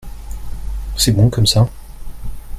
C'est bon comme ça ?